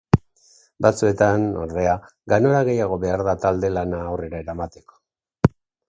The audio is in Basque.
Batzuetan, ordea, ganora gehiago behar da talde-lana aurrera eramateko.